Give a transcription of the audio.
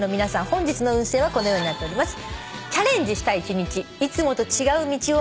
本日の運勢はこのようになっております。